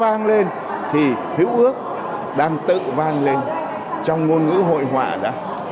văn học vang lên thì hiểu ước đang tự vang lên trong ngôn ngữ hội họa đã